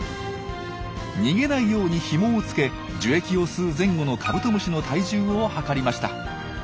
逃げないようにひもをつけ樹液を吸う前後のカブトムシの体重を量りました。